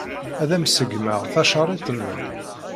Ad am-ṣeggmeɣ tacariḍt-nnem.